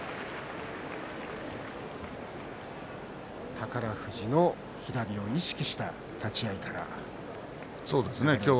宝富士の左を意識した立ち合いでしたね。